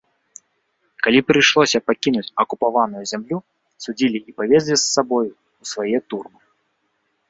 Калі прыйшлося пакінуць акупаваную зямлю, судзілі і павезлі з сабою, у свае турмы.